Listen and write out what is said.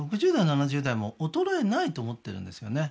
６０代７０代も衰えないと思ってるんですよね